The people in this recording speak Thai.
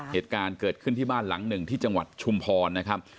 เหตุการณ์เกิดขึ้นที่บ้านหลังหนึ่งที่จังหวัดชุมพรนะครับ